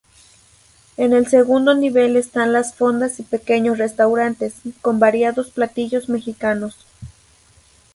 En el segundo nivel están las fondas y pequeños restaurantes, con variados platillos mexicanos.